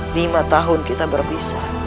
lima tahun kita berpisah